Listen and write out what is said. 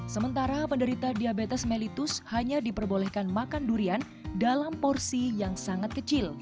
sementara penderita diabetes mellitus hanya diperbolehkan makan durian dalam porsi yang sangat kecil